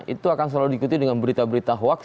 itu akan selalu diikuti dengan berita berita hoax